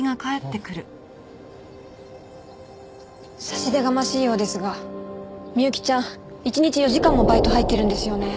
差し出がましいようですが美幸ちゃん一日４時間もバイト入ってるんですよね？